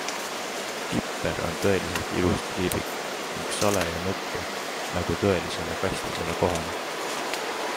Kipper on tõeliselt ilus triibik ning sale ja nõtke, nagu tõelisele kaslasele kohane!